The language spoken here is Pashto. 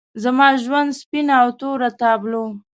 زما د ژوند سپینه او توره تابلو